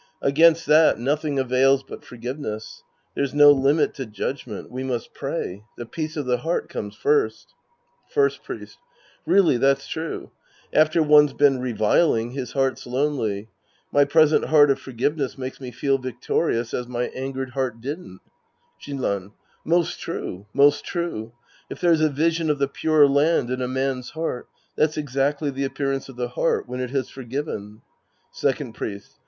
Against that, nothing avails but forgiveness. There's no limit to judg ment. We must pray. The peace of the heart comes first. First Priest. Really that's true. After one's been reviling, his heart's lonely. My present heart of forgiveness makes me feel victorious as my angered heart didn't. Shinran. Most true. Most true. If there's a vision of the Pure Land in a man's heart, that's exactly the appearance of the heart when it has forgiven. Second Priest.